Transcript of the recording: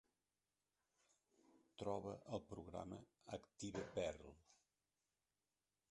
Troba el programa ActivePerl